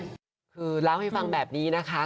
ร้อยกำลังเห็นมือคือแล้วให้ฟังแบบนี้นะคะ